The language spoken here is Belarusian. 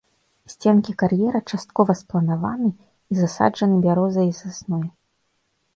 Сценкі кар'ера часткова спланаваны і засаджаны бярозай і сасной.